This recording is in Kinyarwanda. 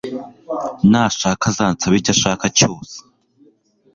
nashaka azansabe icyashaka cyose